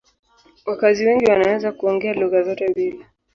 Wakazi wengi wanaweza kuongea lugha zote mbili.